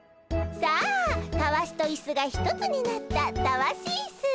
さあたわしとイスが一つになったたわしイス。